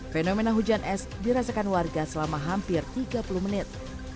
fenomena hujan es dirasakan warga selama hampir tiga puluh menit